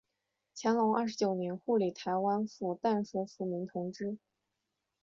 乾隆二十九年护理台湾府淡水抚民同知。